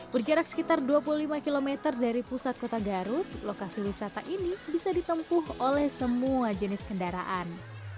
berjarak sekitar dua puluh lima km dari pusat kota garut lokasi wisata ini bisa ditempuh oleh semua jenis kendaraan